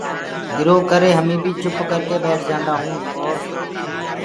ايٚرو ڪري هميٚنٚ بي چُپ هوڪي ٻيٺ جآنٚدآئونٚ اورَ